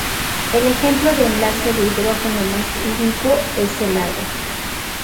El ejemplo de enlace de hidrógeno más ubicuo es el agua.